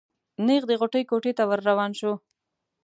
نېغ د غوټۍ کوټې ته ور روان شو.